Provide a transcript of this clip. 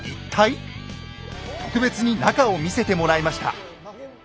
特別に中を見せてもらいました。